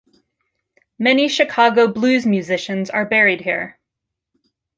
Many Chicago blues musicians are buried here.